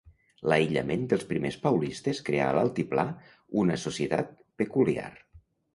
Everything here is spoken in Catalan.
L'aïllament dels primers paulistes creà a l'altiplà una societat peculiar.